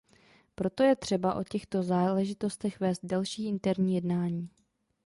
Proto je třeba o těchto záležitostech vést další interní jednání.